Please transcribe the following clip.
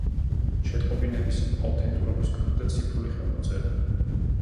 შეტყობინების აუთენტურობის კოდი და ციფრული ხელმოწერა.